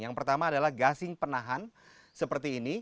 yang pertama adalah gasing penahan seperti ini